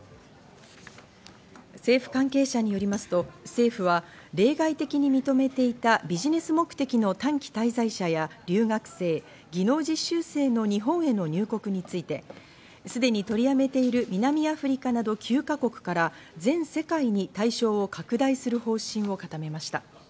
政府関係者によりますと政府は例外的に認めていたビジネス目的の短期滞在者や留学生、技能実習生の日本への入国について、すでに取りやめている南アフリカなど９か国から全世界に対象を拡大する方針を固めました。